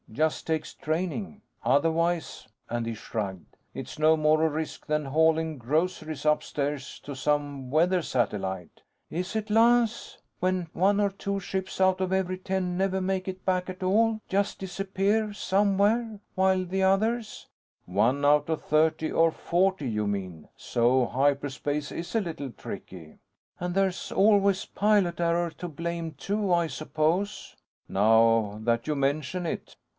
Just takes training. Otherwise," and he shrugged, "it's no more a risk than hauling groceries upstairs to some weather satellite." "Is it, Lance? When one or two ships out of every ten never make it back at all. Just disappear ... somewhere ... while the others " "One out of thirty or forty, you mean. So hyperspace is a little tricky." "And there's always pilot error to blame, too, I suppose?" "Now that you mention it."